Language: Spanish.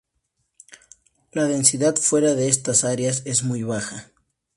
La densidad fuera de estas áreas es muy baja.